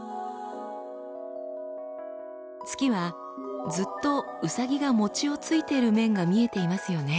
月はずっとうさぎが餅をついている面が見えていますよね。